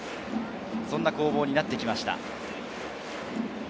そんな攻防になってきました。